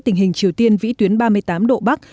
tình hình triều tiên vĩ tuyến ba mươi tám độ bắc